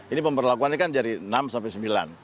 ini pemberlakuannya kan dari enam sampai sembilan